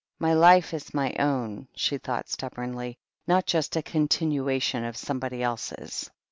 "My life is my own," she thought stubbornly, "not just a continuation of somebody else's."